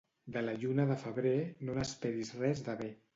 De la lluna de febrer no n'esperis res de bé.